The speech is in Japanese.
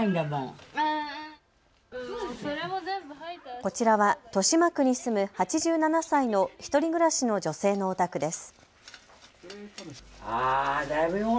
こちらは豊島区に住む８７歳の１人暮らしの女性のお宅です。